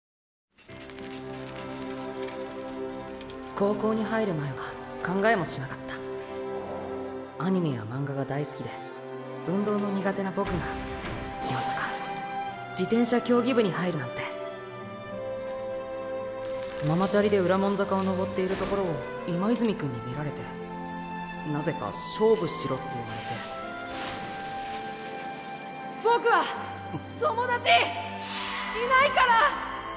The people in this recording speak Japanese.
高校に入る前は考えもしなかったアニメや漫画が大好きで運動の苦手なボクがまさか自転車競技部に入るなんてママチャリで裏門坂を登っているところを今泉くんに見られてなぜか「勝負しろ」って言われてボクは友達いないから！